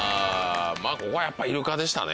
ここはやっぱイルカでしたね。